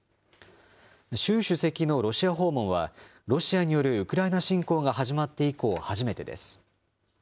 習主席のロシア訪問は、ロシアによるウクライナ侵攻が始まって以降、初めてです。